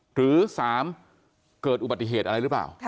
หรือ๓เกิดอุบัติเหตุอะไรหรือเปล่า